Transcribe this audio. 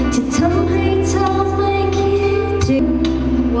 ที่ทำให้เธอไม่คิดจริง